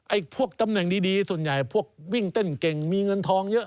พวกตำแหน่งดีส่วนใหญ่พวกวิ่งเต้นเก่งมีเงินทองเยอะ